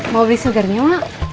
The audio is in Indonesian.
mau beli sugarnya mak